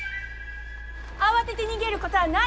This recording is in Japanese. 慌てて逃げることはないよ！